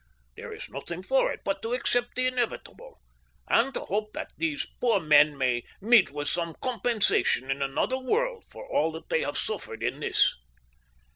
There is nothing for it but to accept the inevitable, and to hope that these poor men may meet with some compensation in another world for all that they have suffered in this."